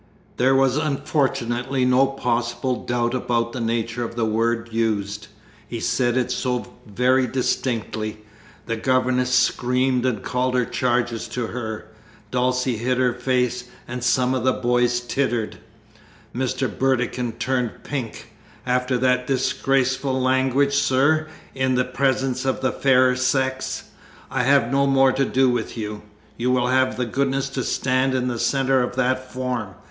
There was unfortunately no possible doubt about the nature of the word used he said it so very distinctly. The governess screamed and called her charges to her. Dulcie hid her face, and some of the boys tittered. Mr. Burdekin turned pink. "After that disgraceful language, sir, in the presence of the fairer sex, I have no more to do with you. You will have the goodness to stand in the centre of that form.